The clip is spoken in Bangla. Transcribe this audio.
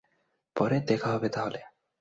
পরে দেখা হবে, তাহলে।